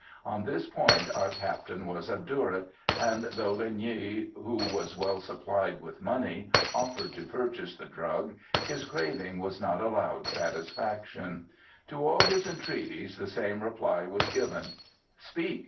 On this point our Captain was obdurate, and though Linh Nghi, who was well supplied with money, offered to purchase the drug, his craving was not allowed satisfaction. To all his entreaties the same reply was given: "Speak!